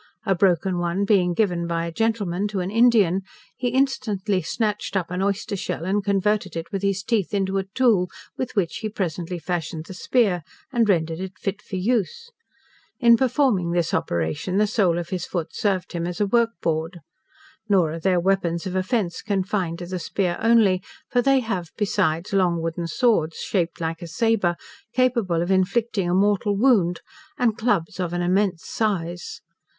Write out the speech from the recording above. A broken one being given by a gentleman to an Indian, he instantly snatched up an oyster shell, and converted it with his teeth into a tool with which he presently fashioned the spear, and rendered it fit for use: in performing this operation, the sole of his foot served him as a work board. Nor are their weapons of offence confined to the spear only, for they have besides long wooden swords, shaped like a sabre, capable of inflicting a mortal wound, and clubs of an immense size.